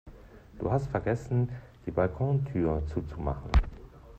Du hast vergessen, die Balkontür zuzumachen.